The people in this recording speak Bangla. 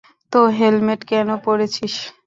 তো হেলমেট কেন পড়েছিস?